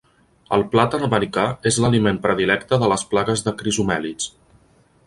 El plàtan americà és l'aliment predilecte de les plagues de crisomèlids.